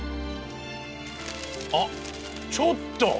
あっちょっと！